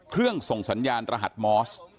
เครื่องส่งสัญญาณรหัสมอส